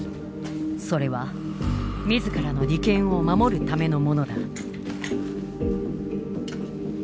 それは自らの利権を守るためのものだ。